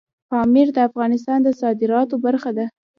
پامیر د افغانستان د صادراتو برخه ده.